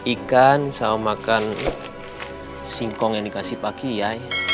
ikan sama makan singkong yang dikasih pak kiai